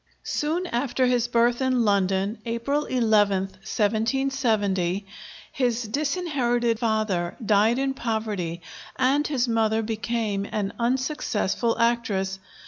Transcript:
Soon after his birth in London, April 11th, 1770, his disinherited father died in poverty, and his mother became an unsuccessful actress.